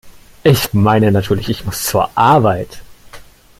Ich meine natürlich, ich muss zur Arbeit!